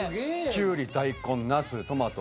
きゅうり大根なすトマト